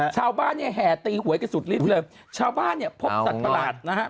ชาวบ้านเนี่ยแห่ตีหวยกันสุดฤทธิ์เลยชาวบ้านเนี่ยพบสัตว์ประหลาดนะฮะ